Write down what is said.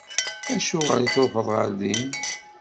Acuɣer i tṛuḥeḍ ɣer din?